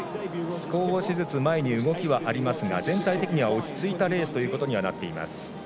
少しずつ前に動きはありますが全体的には落ち着いたレースとなっています。